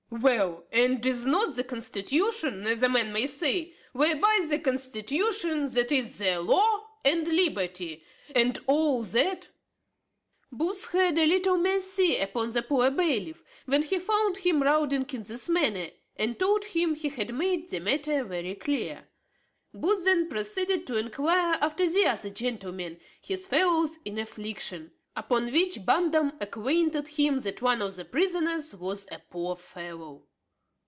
well, and is not the constitution, as a man may say whereby the constitution, that is the law and liberty, and all that " Booth had a little mercy upon the poor bailiff, when he found him rounding in this manner, and told him he had made the matter very clear. Booth then proceeded to enquire after the other gentlemen, his fellows in affliction; upon which Bondum acquainted him that one of the prisoners was a poor fellow.